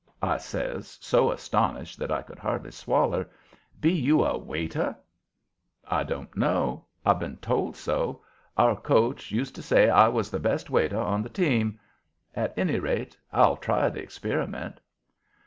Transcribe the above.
I says, so astonished that I could hardly swaller. "Be you a waiter?" "I don't know. I've been told so. Our coach used to say I was the best waiter on the team. At any rate I'll try the experiment."